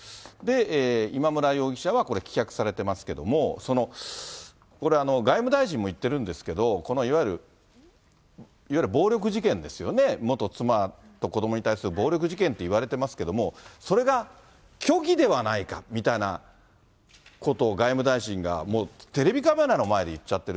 今村容疑者はこれ、棄却されてますけれども、これ、外務大臣も言ってるんですけど、このいわゆる暴力事件ですよね、元妻と子どもに対する暴力事件といわれていますけれども、それが虚偽ではないかみたいなことを外務大臣が、テレビカメラの前で言っちゃってる。